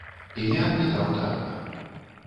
Імя мне даў татка.